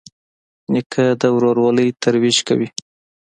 نیکه د ورورولۍ ترویج کوي.